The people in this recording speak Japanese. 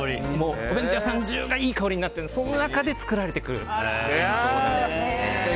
お弁当屋さん中がいい香りになってその中で作られていくんです。